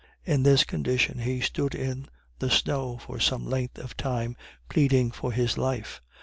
In this condition he stood in the snow for some length of time pleading for his life.